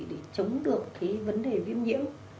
để chống được cái vấn đề viêm nhiễu